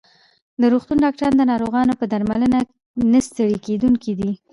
د روغتون ډاکټران د ناروغانو په درملنه کې نه ستړي کېدونکي دي.